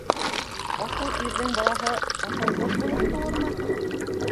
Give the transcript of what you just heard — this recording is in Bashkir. Аҫыл ирҙең балаһы аҫылһыҙ булып тыуырмы?